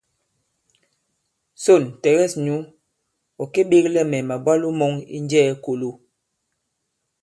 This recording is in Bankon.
Sôn, tɛ̀gɛs nyǔ ɔ̀ kê-beglɛ mɛ̀ màbwalo mɔ̄ŋ i Njɛɛ̄-Kōlo.